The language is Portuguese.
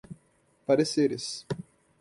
pareceres